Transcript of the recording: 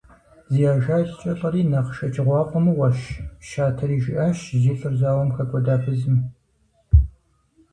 Зи ажалкӀэ лӀэри нэхъ шэчыгъуафӀэ мыгъуэщ, – щатэри жиӀащ зи лӀыр зауэм хэкӀуэда фызым.